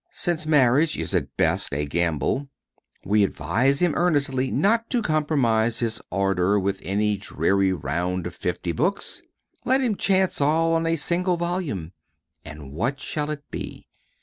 Since marriage is at best a gamble, we advise him earnestly not to compromise his ardor with any dreary round of fifty books. Let him chance all on a single volume. And what shall it be?